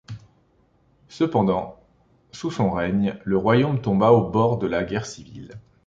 Cependant, sous son règne, le royaume tomba au bord de la guerre civile.